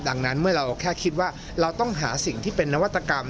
ดังนั้นเมื่อเราแค่คิดว่าเราต้องหาสิ่งที่เป็นนวัตกรรม